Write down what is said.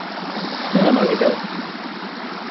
Non é mala idea.